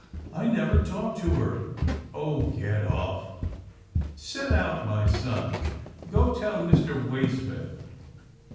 I never talked to her. Oh get off — set out, my son. Go tell Mr. Waysmith."